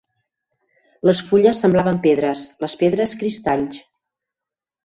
Les fulles semblaven pedres, les pedres cristalls